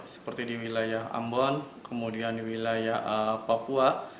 seperti di wilayah ambon kemudian di wilayah papua